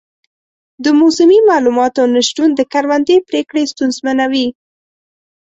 د موسمي معلوماتو نه شتون د کروندې پریکړې ستونزمنوي.